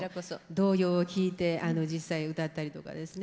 童謡を聴いて実際歌ったりとかですね